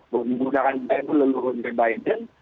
pembunuhan jaya itu leluhur dari biden